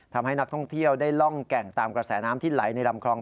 ทำให้นักท่องเที่ยวได้ล่องแก่งตามกระแสน้ำที่ไหลในลำคลอง